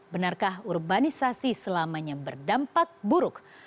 benarkah urbanisasi selamanya berdampak buruk